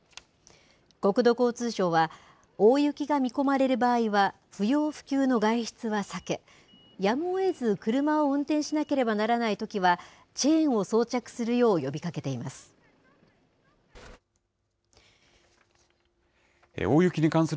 国土交通省は、大雪が見込まれる場合は、不要不急の外出は避け、やむをえず車を運転しなければならないときは、チェーンを装着するよう呼びかけています。